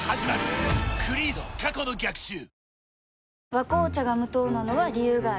「和紅茶」が無糖なのは、理由があるんよ。